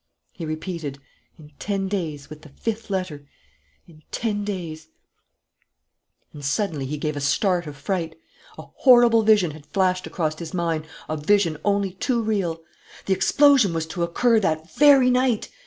He repeated: "In ten days with the fifth letter in ten days " And suddenly he gave a start of fright. A horrible vision had flashed across his mind, a vision only too real. The explosion was to occur that very night!